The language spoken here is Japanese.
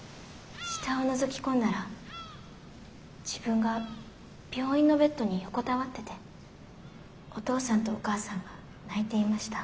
下をのぞき込んだら自分が病院のベッドに横たわっててお父さんとお母さんが泣いていました。